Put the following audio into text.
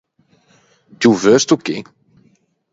Ti ô veu sto chì?